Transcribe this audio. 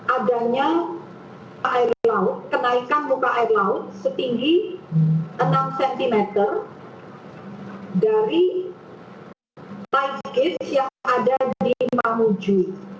adanya kenaikan buka air laut setinggi enam cm dari pipe gauge yang ada di mamuju